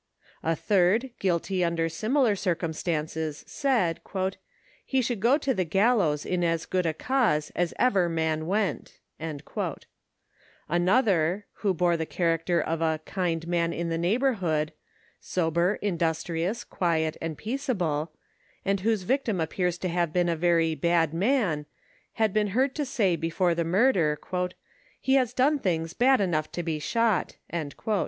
A third, guilty under similar circumstances, said " he should go to the gallows in as good a cause as ever man went," Another, who bore the cha racter of " a kind man in the neighborhood ;"" sober, industri ous, quiet and peaceable ;" and who*se victim appears to have been a very bad man, had been heard to say before the mur der, " he has done things bad enough to be shot."